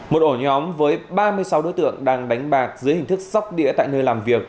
một ổ nhóm với ba mươi sáu đối tượng đang đánh bạc dưới hình thức sóc đĩa tại nơi làm việc